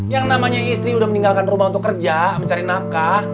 yang namanya istri sudah meninggalkan rumah untuk kerja mencari nafkah